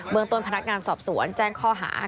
เมืองต้นพนักงานสอบสวนแจ้งข้อหา